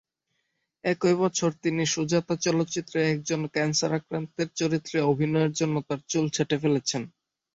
একই বছর তিনি "সুজাতা" চলচ্চিত্রে একজন ক্যান্সার আক্রান্তের চরিত্রে অভিনয়ের জন্য তার চুল ছেঁটে ফেলেন।